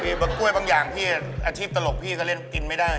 กล้วยบางอย่างพี่อาชีพตลกพี่ก็เล่นกินไม่ได้